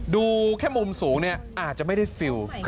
ดูแค่มุมสูงเนี่ยอาจจะไม่ได้ฟิล